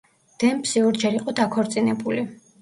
დემპსი ორჯერ იყო დაქორწინებული.